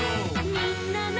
「みんなの」